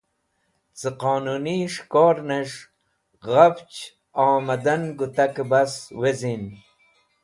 Ce Qonuni S̃hikornes̃h Ghafch Omadan gutake bas Wezin